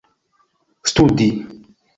studi